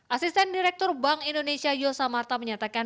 asisten direktur bank indonesia yosamarta menyatakan